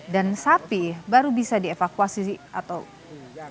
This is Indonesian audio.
dan sapi baru bisa dievakuasi pada pukul tujuh belas sore